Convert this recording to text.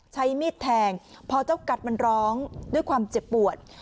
ใช้มีดแทงพอเจ้ากัดมันร้องด้วยความเจ็บปวด